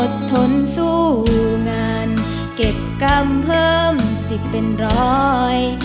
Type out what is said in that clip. ทนสู้งานเก็บกรรมเพิ่มสิบเป็นร้อย